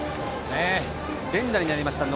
連打になりました。